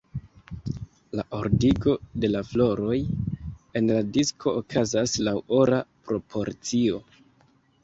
La ordigo de la floroj en la disko okazas laŭ ora proporcio.